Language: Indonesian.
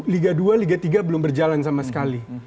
liga dua liga tiga belum berjalan sama sekali